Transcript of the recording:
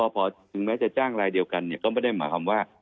พอถึงแม้จะจ้างรายเดียวกันก็ไม่ได้หมายความว่า